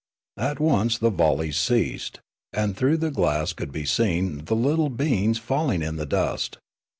At once the vollej^s ceased, and through the glass could be seen the little beings falling in the dust.